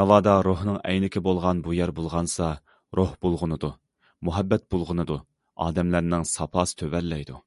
ناۋادا روھنىڭ ئەينىكى بولغان بۇ يەر بۇلغانسا، روھ بۇلغىنىدۇ، مۇھەببەت بۇلغىنىدۇ، ئادەملەرنىڭ ساپاسى تۆۋەنلەيدۇ.